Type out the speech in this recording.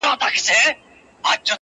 • پر انګړ يې د پاتا كمبلي ژاړي,